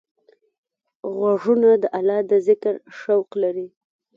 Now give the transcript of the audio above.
غوږونه د الله د ذکر شوق لري